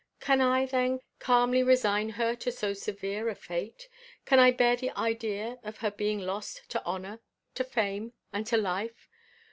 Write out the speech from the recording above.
Can I, then, calmly resign her to so severe a fate? Can I bear the idea of her being lost to honor, to fame, and to life?